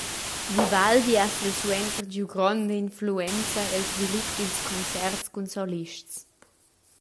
Vivaldi ha silsuenter giu gronda influenza el svilup dils concerts cun solists.